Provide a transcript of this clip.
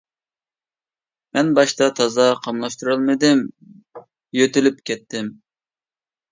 مەن باشتا تازا قاملاشتۇرالمىدىم يۆتىلىپ كەتتىم!